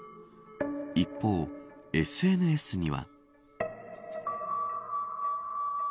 一方、ＳＮＳには。